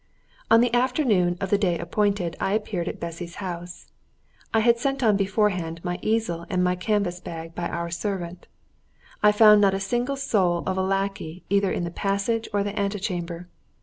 On the afternoon of the day appointed I appeared at Bessy's house. I had sent on beforehand my easel and my canvas by our servant. I found not a single soul of a lackey either in the passage or the ante chamber.